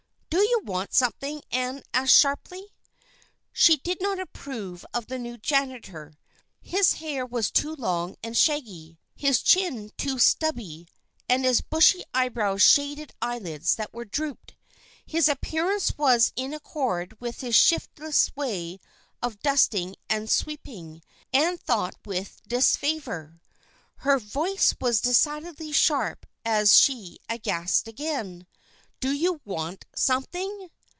"Did you want something?" Ann asked sharply. She did not approve of the new janitor; his hair was too long and shaggy, his chin too stubbly, and his bushy eyebrows shaded eyelids that drooped. His appearance was in accord with his shiftless way of dusting and sweeping, Ann thought with disfavor. Her voice was decidedly sharp as she asked again, "Did you want something?"